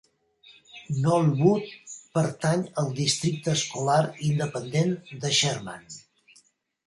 Knollwood pertany al districte escolar independent de Sherman.